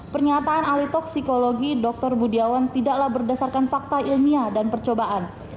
pernyataan ahli toksikologi dr budiawan tidaklah berdasarkan fakta ilmiah dan percobaan